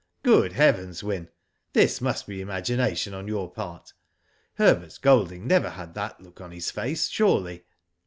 Good heavens, Wyn, this must be imagination on your part. Herbert Golding never had that look on his face, surely."